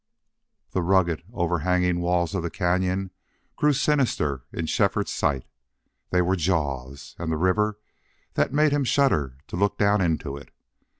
The rugged, overhanging walls of the cañon grew sinister in Shefford's sight. They were jaws. And the river that made him shudder to look down into it.